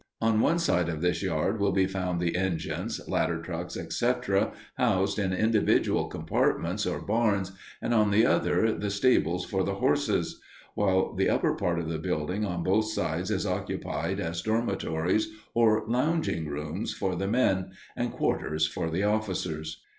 On one side of this yard will be found the engines, ladder trucks, etc., housed in individual compartments, or barns, and on the other the stables for the horses; while the upper part of the building on both sides is occupied as dormitories or lounging rooms for the men, and quarters for the officers.